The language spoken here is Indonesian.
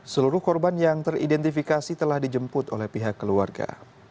seluruh korban yang teridentifikasi telah dijemput oleh pihak keluarga